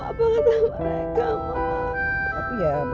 aduh malu apa kata mereka mak